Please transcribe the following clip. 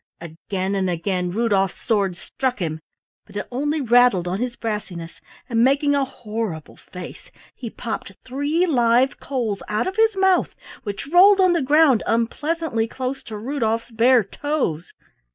Again and again Rudolf's sword struck him, but it only rattled on his brassiness, and making a horrible face, he popped three live coals out of his mouth which rolled on the ground unpleasantly close to Rudolf's bare toes.